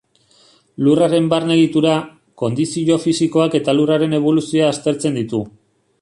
Lurraren barne egitura, kondizio fisikoak eta lurraren eboluzioa aztertzen ditu.